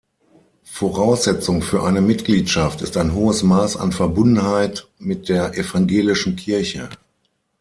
Voraussetzung für eine Mitgliedschaft ist ein hohes Maß an Verbundenheit mit der evangelischen Kirche.